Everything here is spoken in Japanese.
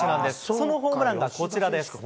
そのホームランがこちらです。